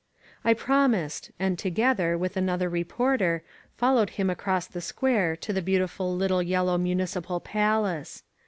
I promised, and, together with another reporter, fol lowed him across the square to the beautiful little yel low municipal palace.